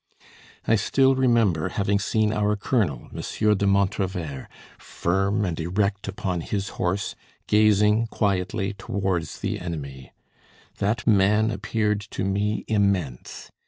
I still remember having seen our colonel, M. de Montrevert, firm and erect upon his horse, gazing quietly towards the enemy. That man appeared to me immense.